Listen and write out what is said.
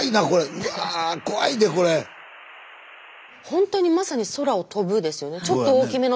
本当にまさに空を飛ぶですよね。